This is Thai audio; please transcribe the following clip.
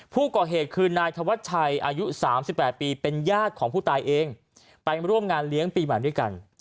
ผู้ก่อเหตุคือนายธวัชชัยอายุ๓๘ปีเป็นญาติของผู้ตายเองไปร่วมงานเลี้ยงปีใหม่ด้วยกัน